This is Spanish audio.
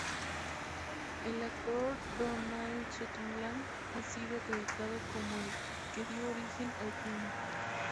El actor Donald Sutherland ha sido acreditado como el que dio origen al film.